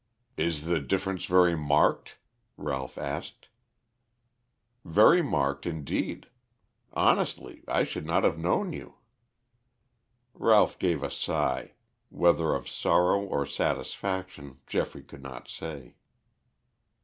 "Is the difference very marked?" Ralph asked. "Very marked, indeed. Honestly, I should not have known you." Ralph gave a sigh, whether of sorrow or satisfaction Geoffrey could not say.